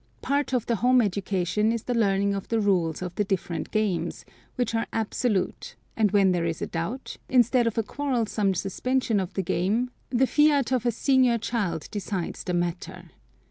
Part of the home education is the learning of the rules of the different games, which are absolute, and when there is a doubt, instead of a quarrelsome suspension of the game, the fiat of a senior child decides the matter.